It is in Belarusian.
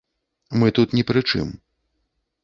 Мы тут ні пры чым.